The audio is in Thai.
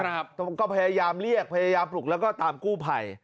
มันก็พยายามเรียกพยายามปลุกแล้วก็ตามกู้ภัย